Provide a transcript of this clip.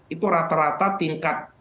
itu rata rata tingkat